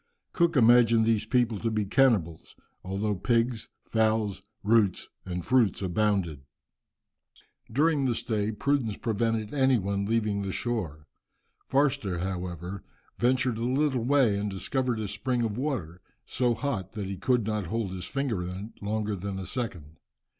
Cook imagined these people to be cannibals, although pigs, fowls, roots, and fruits abounded. During the stay prudence prevented any one leaving the shore. Forster, however, ventured a little way and discovered a spring of water, so hot that he could not hold his finger in it longer than a second.